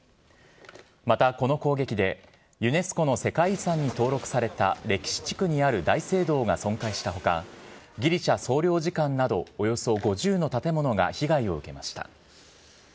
またこの攻撃で、ユネスコの世界遺産に登録された歴史地区にある大聖堂が損壊したほか、ギリシャ総領事館などおよそ５０の建物が被害を受けました。